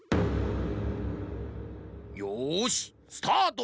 よしスタート！